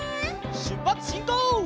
しゅっぱつしんこう！